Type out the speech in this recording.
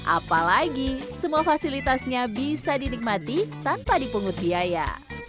apalagi semua fasilitasnya bisa dinikmati tanpa dipungut biaya